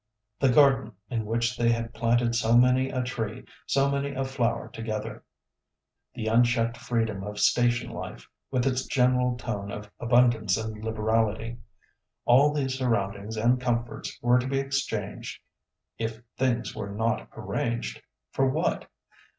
The garden in which they had planted so many a tree, so many a flower together. The unchecked freedom of station life, with its general tone of abundance and liberality. All these surroundings and comforts were to be exchanged—if things were not arranged—for what?